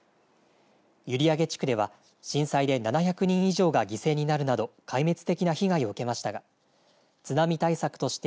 閖上地区では震災で７００人以上が犠牲になるなど壊滅的な被害を受けましたが津波対策として